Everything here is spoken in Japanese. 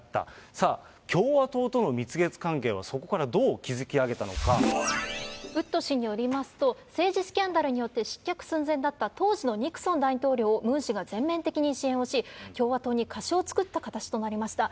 さあ、共和党との蜜月関係は、そウッド氏によりますと、政治スキャンダルによって失脚寸前だった当時のニクソン大統領をムン氏が全面的に支援をし、共和党に貸しを作った形となりました。